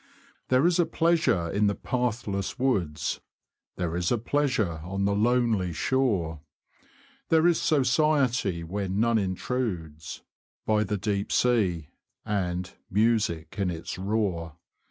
There is a pleasure in the pathless woods, There is a pleasure on the lonely shore ; There is society where none intrudes, By the deep sea — and music in its roar.